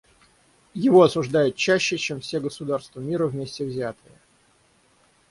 Его осуждают чаще, чем все государства мира вместе взятые.